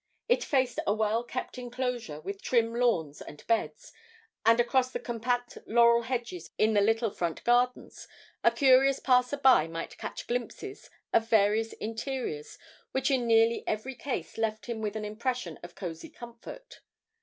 It faced a well kept enclosure, with trim lawns and beds, and across the compact laurel hedges in the little front gardens a curious passer by might catch glimpses of various interiors which in nearly every case left him with an impression of cosy comfort.